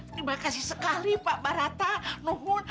terima kasih sekali pak barata mohon